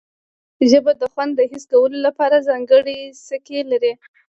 ژبه د خوند د حس کولو لپاره ځانګړي څکي لري